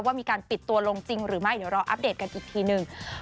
ว่ามีการปิดตัวลงจริงหรือไม่เดี๋ยวรออัปเดตกันอีกทีหนึ่ง